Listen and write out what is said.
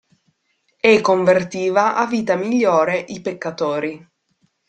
E convertiva a vita migliore i peccatori.